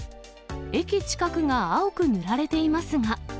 駅近くが青く塗られていますが。